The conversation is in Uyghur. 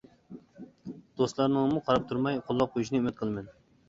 دوستلارنىڭمۇ قاراپ تۇرماي، قوللاپ قويۇشىنى ئۈمىد قىلىمەن.